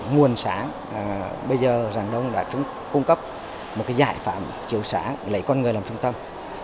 nguồn sáng bây giờ ràng đông đã cung cấp một giải pháp chiều sáng lấy con người làm trung tâm